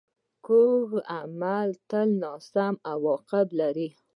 کوږ عمل تل ناسم عواقب لري